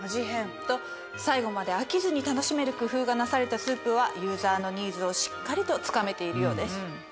と最後まで飽きずに楽しめる工夫がなされたスープはユーザーのニーズをしっかりとつかめているようです。